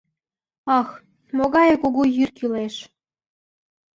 Ах, могае кугу йӱр кӱлеш!